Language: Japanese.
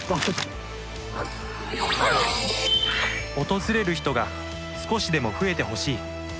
訪れる人が少しでも増えてほしい。